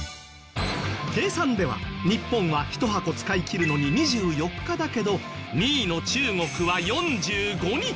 計算では日本は１箱使い切るのに２４日だけど２位の中国は４５日もかかる。